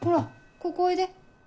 ここおいで。